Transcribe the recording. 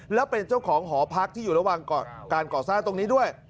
แล้วเป็นเจ้าของหอพักที่อยู่ระหว่างการก่อสร้างตรงนี้ด้วย